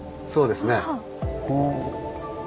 そうですね。